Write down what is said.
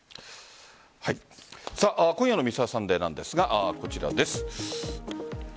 今夜の「Ｍｒ．サンデー」なんですがこちらです。